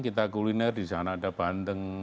kita kuliner disana ada banteng